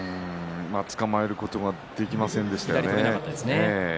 つかまえることができませんでしたよね。